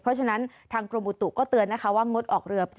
เพราะฉะนั้นทางกรมอุตุก็เตือนนะคะว่างดออกเรือ